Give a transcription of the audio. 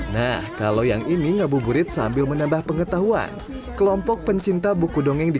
nah kalau yang ini ngabuburit sambil menambah pengetahuan kelompok pencinta buku dongeng di